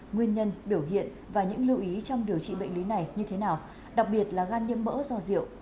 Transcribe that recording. nguyên nhân biểu hiện và những lưu ý trong điều trị bệnh lý này như thế nào đặc biệt là gan nhiễm mỡ do rượu